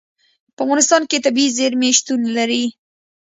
په افغانستان کې طبیعي زیرمې شتون لري.